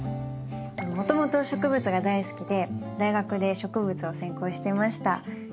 もともと植物が大好きで大学で植物を専攻してました。